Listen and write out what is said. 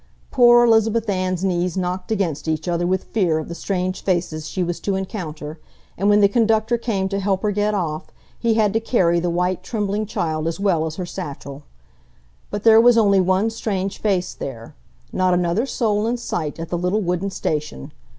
Poor Elizabeth Ann's knees knocked against each other with fear of the strange faces she was to encounter, and when the conductor came to help her get off, he had to carry the white, trembling child as well as her satchel. But there was only one strange face there,—not another soul in sight at the little wooden station.